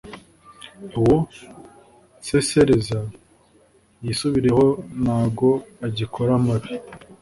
Uwo nsesereza yisubireho nago agikora amabi